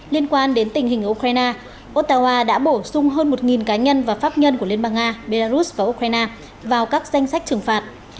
liên quan đến tình hình ở ukraine otawa đã bổ sung hơn một cá nhân và pháp nhân của liên bang nga belarus và ukraine vào các danh sách trừng phạt